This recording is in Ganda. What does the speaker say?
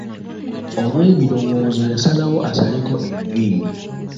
Olw'ebirowoozo yasalawo asaleko enviiri.